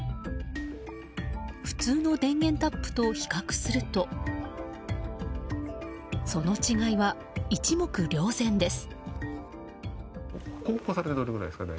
普通の電源タップと比較するとその違いは一目瞭然です。